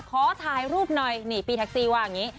ขอถ่ายรูปหน่อยนี่พี่แท็กซี่ว่าอย่างนี้